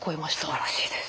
すばらしいです。